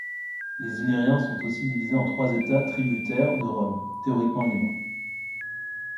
Les Illyriens sont aussi divisés en trois États tributaires de Rome, théoriquement libres.